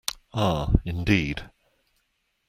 Ah, indeed.